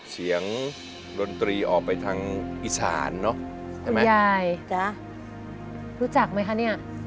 เชียงโรนตรีออกไปทางอิสรรค์นะคุณยายรู้จักไหมคะเนี่ย